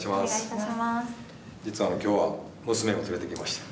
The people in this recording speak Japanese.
実は今日は娘も連れてきました。